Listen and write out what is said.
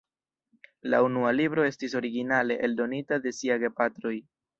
La unua libro estis originale eldonita de sia gepatroj.